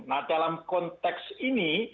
nah dalam konteks ini